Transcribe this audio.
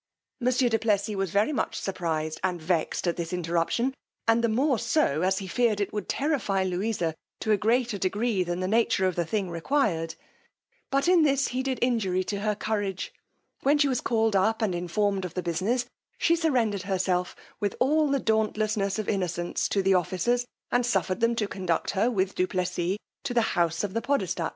Monsieur du Plessis was very much surprized and vexed at this interruption, and the more so, as he feared it would terrify Louisa to a greater degree than the nature of the thing required; but in this he did injury to her courage: when she was called up and informed of the business, she surrendered herself with all the dauntlessness of innocence to the officers, and suffered them to conduct her, with du Plessis, to the house of the podestat.